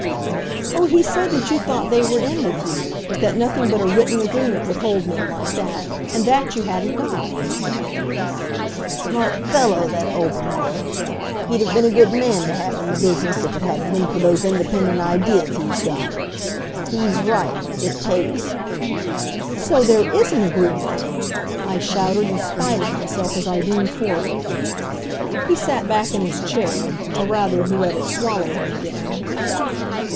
"Oh, he said that you thought they were in with you, but that nothing but a written agreement would hold men like that. And that you hadn't got." "Smart fellow, that Obermuller. He'd have been a good man to have in the business if it hadn't been for those independent ideas he's got. He's right; it takes " "So there is an agreement!" I shouted, in spite of myself, as I leaned forward. He sat back in his chair, or, rather, he let it swallow him again.